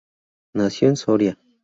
Nació en Soria.